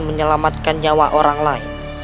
menyelamatkan nyawa orang lain